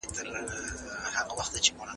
د ایران په ښارونو کې لارې ناامنه شوې وې.